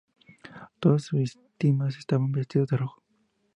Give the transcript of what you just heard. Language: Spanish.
Todas sus víctimas estaban vestidas de rojo.